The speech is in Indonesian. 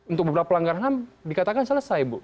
untuk beberapa pelanggaran ham dikatakan selesai bu